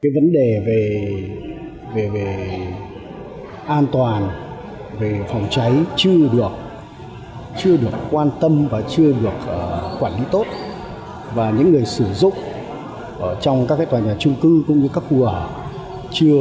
vấn đề về an toàn về phòng cháy chưa được quan tâm và chưa được quản lý tốt và những người sử dụng trong các tòa nhà trung cưng cũng như các khu hỏa